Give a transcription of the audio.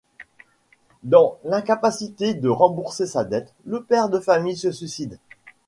Dans l’incapacité de rembourser sa dette, le père de famille se suicide.